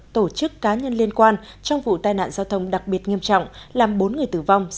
tổ chức cá nhân liên quan trong vụ tai nạn giao thông đặc biệt nghiêm trọng làm bốn người tử vong